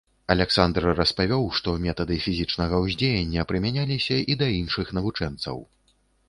Аляксандр распавёў, што метады фізічнага ўздзеяння прымяняліся і да іншых навучэнцаў.